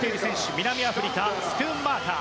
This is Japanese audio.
南アフリカ、スクンマーカー。